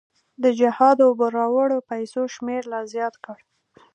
د جهاد اوبو راوړو پیسو شمېر لا زیات کړ.